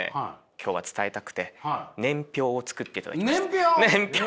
今日は伝えたくて年表を作っていただきました。年表！？